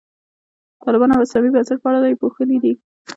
طالبان او اسلامي بنسټپالنه یې پوښلي دي.